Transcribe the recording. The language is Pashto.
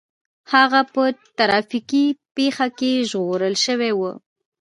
هغه په ټرافيکي پېښه کې ژغورل شوی و